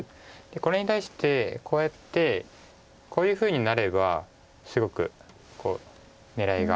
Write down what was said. これに対してこうやってこういうふうになればすごく狙いがあるんですが。